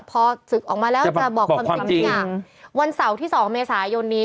พอศึกออกมาแล้วจะบอกความจริงทุกอย่างวันเสาร์ที่๒เมษายนนี้